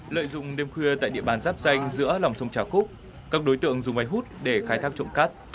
lợi dụng đêm khuya tại địa bàn giáp danh giữa lòng sông trà khúc các đối tượng dùng máy hút để khai thác trộm cát